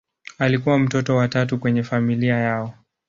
Alikuwa mtoto wa tatu kwenye familia yao.